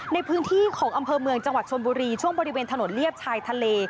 ในพื้นที่ของอำเภอเมืองจังหวัดชนบุรีช่วงบริเวณถนนเลียบชายทะเล